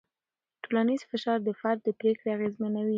ټولنیز فشار د فرد پرېکړې اغېزمنوي.